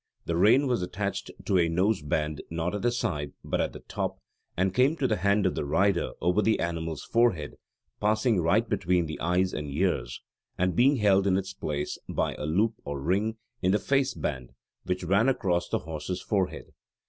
The rein was attached to a nose band not at the side but at the top, and came to the hand of the rider over the animal's forehead, passing right between the eyes and ears, and being held in its place by a loop or ring in the face band which ran across the horse's forehead.